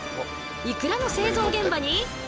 いくらの製造現場に突撃！